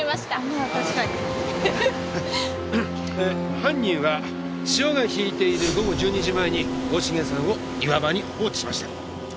犯人は潮が引いている午後１２時前に大重さんを岩場に放置しました。